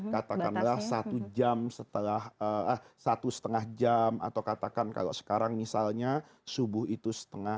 katakanlah satu jam setelah satu setengah jam atau katakan kalau sekarang misalnya subuh itu setengah